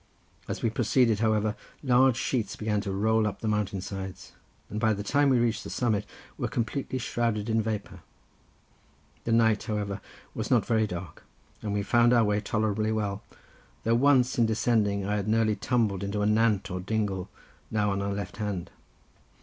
As we proceeded, however, large sheets began to roll up the mountain sides, and by the time we reached the summit we were completely shrouded in vapour. The night, however, was not very dark, and we found our way tolerably well, though once in descending I had nearly tumbled into the nant or dingle, now on our left hand.